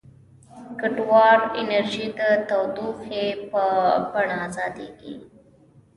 ګټوره انرژي د تودوخې په بڼه ازادیږي.